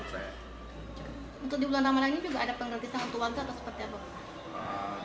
untuk di bulan ramadan ini juga ada penggertisahan waktu warga atau seperti apa